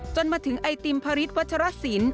จนมาถึงไอติมพริษวัชรสิน